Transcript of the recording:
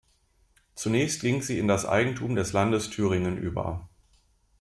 Zunächst ging sie in das Eigentum des Landes Thüringen über.